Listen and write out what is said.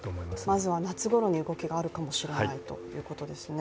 まずは夏ごろに動きがあるかもしれないということですね。